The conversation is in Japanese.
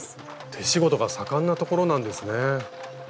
手仕事が盛んなところなんですね。